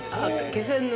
◆気仙沼？